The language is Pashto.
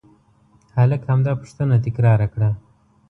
هلک همدا پوښتنه تکرار کړه.